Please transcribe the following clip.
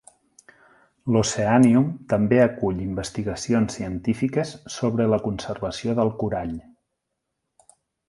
L'Oceanium també acull investigacions científiques sobre la conservació del corall.